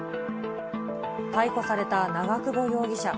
逮捕された長久保容疑者。